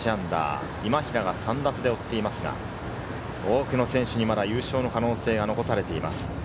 今平が３打差で追っていますが、多くの選手にまだ優勝の可能性が残されています。